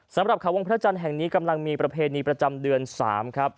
สำหรับเขาวงพระจันทร์แห่งนี้กำลังมีประเพณีประจำเดือน๓ครับ